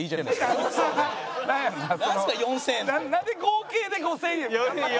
なんで合計で５０００円。